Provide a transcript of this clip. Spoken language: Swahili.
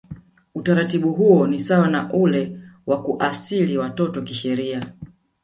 Utaratibu huo ni sawa na ule wa kuasili watoto kisheria